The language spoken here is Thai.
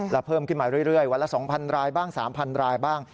แล้วเพิ่มขึ้นมาเรื่อยวันละ๒๐๐รายบ้าง๓๐๐รายบ้าง